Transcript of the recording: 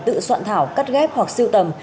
tự soạn thảo cắt ghép hoặc siêu tầm